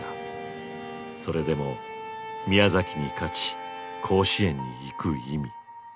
それでも宮崎に勝ち甲子園に行く意味。